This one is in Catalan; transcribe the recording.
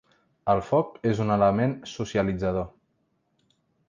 El foc és un element socialitzador.